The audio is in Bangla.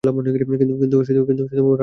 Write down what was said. কিন্তু ওরা আমারই ছেলে।